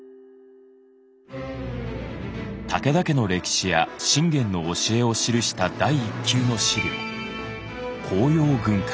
武田家の歴史や信玄の教えを記した第一級の資料